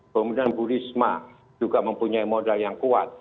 kemudian bu risma juga mempunyai modal yang kuat